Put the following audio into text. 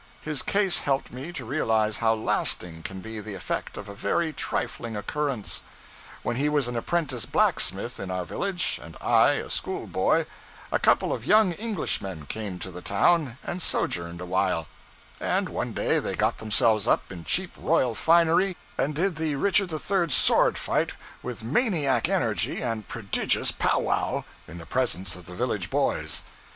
His case helped me to realize how lasting can be the effect of a very trifling occurrence. When he was an apprentice blacksmith in our village, and I a schoolboy, a couple of young Englishmen came to the town and sojourned a while; and one day they got themselves up in cheap royal finery and did the Richard III swordfight with maniac energy and prodigious powwow, in the presence of the village boys.